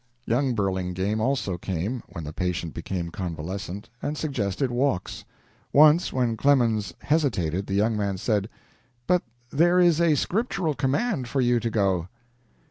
Young Burlingame also came, when the patient became convalescent, and suggested walks. Once, when Clemens hesitated, the young man said: "But there is a scriptural command for you to go."